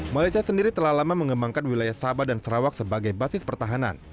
malaysia sendiri telah lama mengembangkan wilayah sabah dan sarawak sebagai basis pertahanan